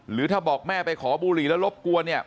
หรือถ้าบอกแม่ไปขอบุหรี่แล้วรบกลัว